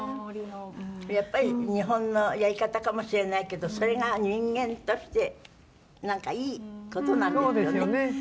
やっぱり日本のやり方かもしれないけどそれが人間としてなんかいい事なんですよね。